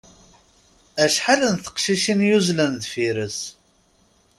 Acḥal n teqcicin yuzzlen deffir-s.